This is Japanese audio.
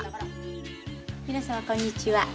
皆様こんにちは。